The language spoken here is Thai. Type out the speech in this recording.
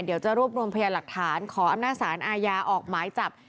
เดี๋ยวจะรวบรวมพยานหลักฐานขออำนาจสารอาญาออกหมายจับ